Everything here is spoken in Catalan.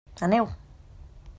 Aneu!